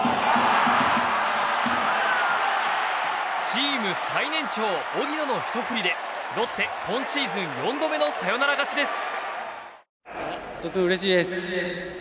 チーム最年長、荻野のひと振りでロッテ、今シーズン４度目のサヨナラ勝ちです。